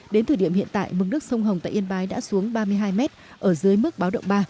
đến thời điểm hiện tại mực nước sông hồng tại yên bái đã xuống ba mươi hai mét ở dưới mức báo động ba